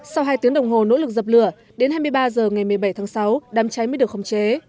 sau hai tiếng đồng hồ nỗ lực dập lửa đến hai mươi ba h ngày một mươi bảy tháng sáu đám cháy mới được khống chế